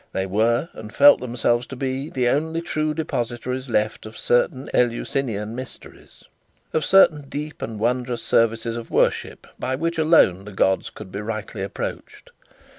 They were, and felt themselves to be, the only true depositories left of certain Eleusinian mysteries, of certain deep and wondrous services of worship by which alone the gods could be rightly approached.